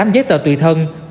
tám mươi tám giấy tờ tùy thân